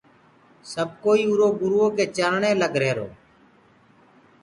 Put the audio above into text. سب ڪوئی اُرو گروئو ڪي چرڻي لگ رهير۔